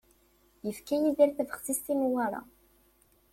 Yefka Yidir tabexsist i Newwara.